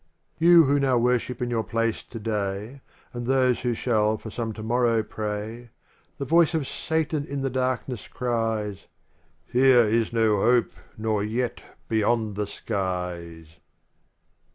XXV Ye who now worship in your place today And those who shall for some tomorrow pray. The voice of Satan in the darkness cries; " Here is no hope, nor yet beyond the skies."